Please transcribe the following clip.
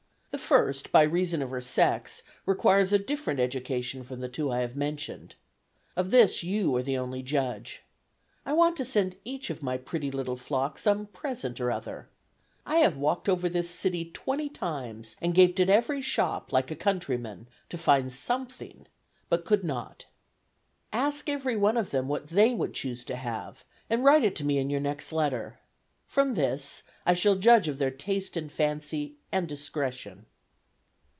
The first, by reason of her sex, requires a different education from the two I have mentioned. Of this, you are the only judge. I want to send each of my little pretty flock some present or other. I have walked over this city twenty times, and gaped at every shop, like a countryman, to find something, but could not. Ask everyone of them what they would choose to have, and write it to me in your next letter. From this I shall judge of their taste and fancy and discretion."